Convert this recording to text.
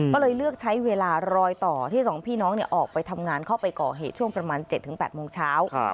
ก็เลยเลือกใช้เวลารอยต่อที่๒พี่น้องออกไปทำงานเข้าไปก่อเหตุช่วงประมาณ๗๘โมงเช้า